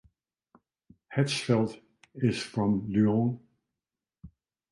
Hatzfeld is from Lyon.